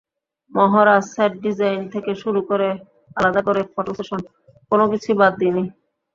মহড়া, set design থেকে শুরু করে আলাদা করে ফটোসেশন—কোনো কিছুই বাদ দিইনি।